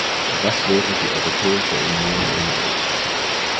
Was wäre die Europäische Union ohne Euch!